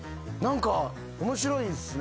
面白いですね。